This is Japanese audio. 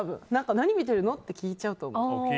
何見ているのって聞いちゃうと思う。